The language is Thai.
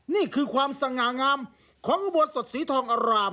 นี่คือความสง่างามของอุโบสถสีทองอาราม